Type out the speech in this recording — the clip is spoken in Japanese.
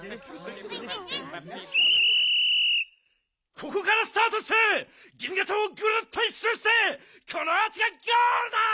ここからスタートして銀河町をグルッと１しゅうしてこのアーチがゴールだ！